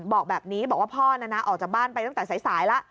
บอกแบบนี้บอกว่าพ่อนะนะออกจากบ้านไปตั้งแต่สายแล้ว